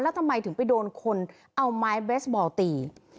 แล้วทำไมถึงไปโดนคนเอาไม้เบสบอลตี